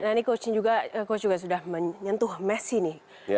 nah ini coach coach juga sudah menyentuh messi nih